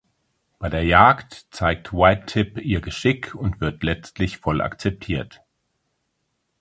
Bei der Jagd zeigt White Tip ihr Geschick und wird letztlich voll akzeptiert.